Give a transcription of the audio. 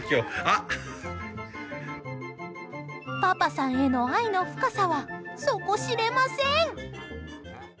パパさんへの愛の深さは底知れません。